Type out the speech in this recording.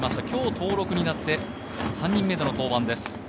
今日登録になって３人目での登板です。